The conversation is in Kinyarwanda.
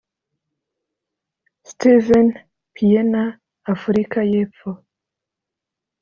Steven Pienaar (Afurika y’Epfo)